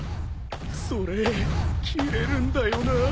それキレるんだよな。